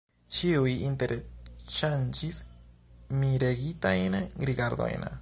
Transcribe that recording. Ĉiuj interŝanĝis miregitajn rigardojn.